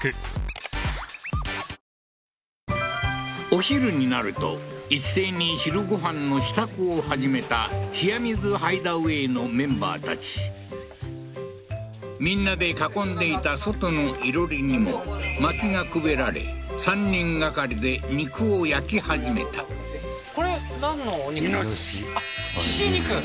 お昼になると一斉に昼ご飯の支度を始めた冷水ＨＩＤＥＡＷＡＹのメンバーたちみんなで囲んでいた外のいろりにもまきがくべられ３人がかりで肉を焼き始めたあっ猪肉？